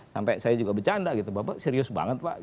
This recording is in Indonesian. sampai saya juga bercanda gitu bapak serius banget pak